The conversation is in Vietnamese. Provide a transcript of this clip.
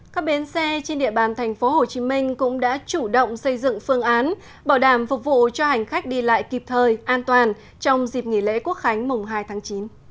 các bến xe trên địa bàn tp hcm cũng đã chủ động xây dựng phương án bảo đảm phục vụ cho hành khách đi lại kịp thời an toàn trong dịp nghỉ lễ quốc khánh mùng hai tháng chín